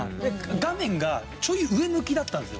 画面がちょい上向きだったんですよ。